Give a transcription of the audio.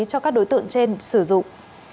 cho các đối tượng trên sử dụng